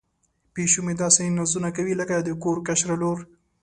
پیشو مې داسې نازونه کوي لکه د کور کشره لور.